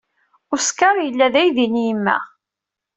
Oscar yella d aydi n yemma.